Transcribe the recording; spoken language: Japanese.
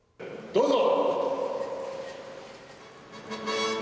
どうぞ。